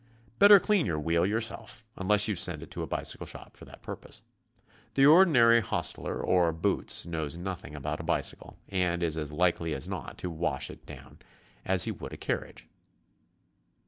Better clean your wheel yourself unless you send it to a bicycle shop for that purpose. The ordinary hostler or "boots" knows nothing about a bicycle, and is as likely as not to wash it down as he would a carriage.